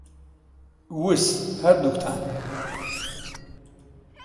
وس، هەردووکتان.